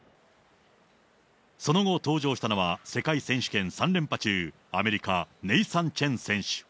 その後、登場したのは世界選手権３連覇中、アメリカ、ネイサン・チェン選手。